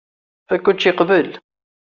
Fakk učči qbel.